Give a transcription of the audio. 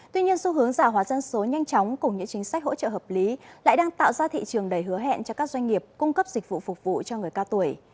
tuy nhiên xu hướng giả hóa dân số nhanh chóng cùng những chính sách hỗ trợ hợp lý lại đang tạo ra thị trường đầy hứa hẹn cho các doanh nghiệp cung cấp dịch vụ phục vụ cho người cao tuổi